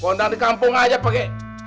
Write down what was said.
bu undang di kampung aja pake